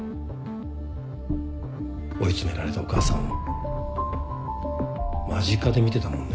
追い詰められたお母さんを間近で見てたもんね。